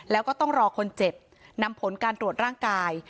แล้วก็ต้องรอคนเจ็บนำผลการตรวจร่างกาย